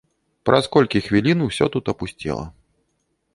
Праз колькі хвілін усё тут апусцела.